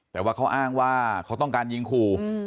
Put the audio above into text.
แต่ว่าเขาอ้างว่าเขาต้องการยิงขู่